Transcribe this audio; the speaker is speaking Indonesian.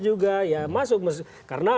juga ya masuk karena